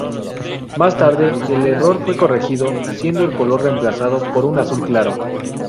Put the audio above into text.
Más tarde el error fue corregido, siendo el color reemplazado por un azul claro.